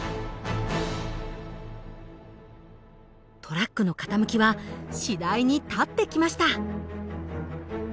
トラックの傾きは次第に立ってきました。